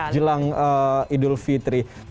jelang idul fitri